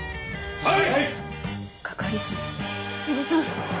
はい！